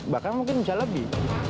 bahkan mungkin bisa lebih